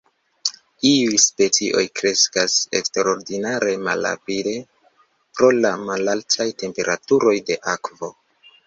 Iuj specioj kreskas eksterordinare malrapide pro la malaltaj temperaturoj de akvo.